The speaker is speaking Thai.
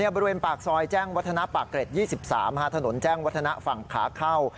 บริเวณปากซอยแจ้งวัฒนาปากเกร็ด๒๓ถนนแจ้งวัฒนะฝั่งขาเข้า